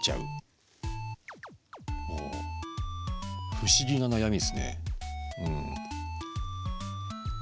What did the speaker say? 不思議な悩みですね。